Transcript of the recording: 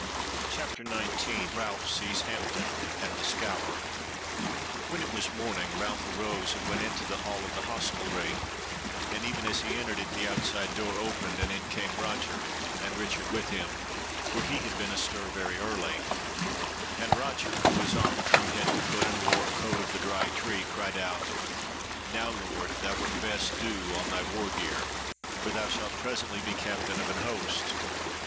CHAPTER 19 Ralph Sees Hampton and the Scaur When it was morning Ralph arose and went into the hall of the hostelry, and even as he entered it the outside door opened, and in came Roger, and Richard with him (for he had been astir very early) and Roger, who was armed from head to foot and wore a coat of the Dry Tree, cried out: "Now, Lord, thou wert best do on thy war gear, for thou shalt presently be captain of an host."